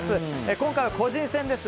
今回は個人戦です。